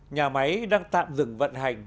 nhà máy đang tạm dừng vận hành